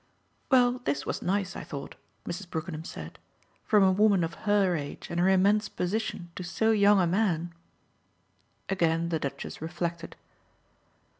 "Well, this was nice, I thought," Mrs. Brookenham said "from a woman of her age and her immense position to so young a man." Again the Duchess reflected.